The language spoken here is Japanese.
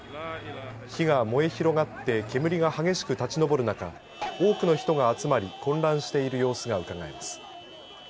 火が燃え広がって煙が激しく立ち上る中多くの人が集まり混乱している様子がうかがえます。